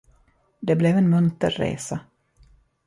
Det blev en munter resa.